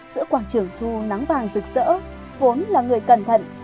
giữa quảng trường thu nắng vàng rực rỡ vốn là người cẩn thận